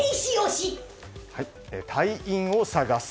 隊員を探せ！